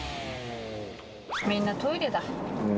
みんなトイレだ。